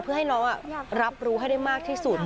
เพื่อให้น้องรับรู้ให้ได้มากที่สุด